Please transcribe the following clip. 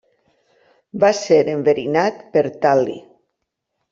Va ser enverinat per tal·li.